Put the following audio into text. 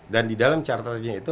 dan di dalam charter nya itu